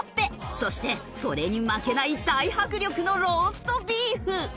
そしてそれに負けない大迫力のローストビーフ。